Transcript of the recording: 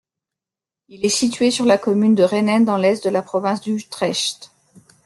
Il est situé sur la commune de Rhenen, dans l'est de la province d'Utrecht.